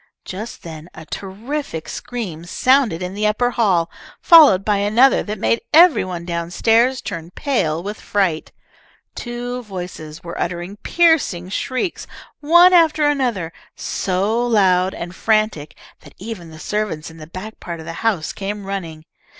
Just then a terrific scream sounded in the upper hall, followed by another that made every one down stairs turn pale with fright. Two voices were uttering piercing shrieks, one after another, so loud and frantic that even the servants in the back part of the house came running.